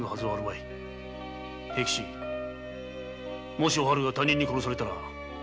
もしお春が他人に殺されたら。